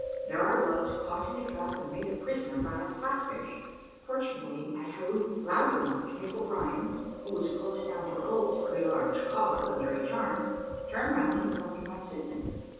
There I was, caught in a trap, and made a prisoner by a flatfish. Fortunately, I hallooed loud enough to make O'Brien, who was close down to the boats, with a large cod fish under each arm, turn round and come to my assistance.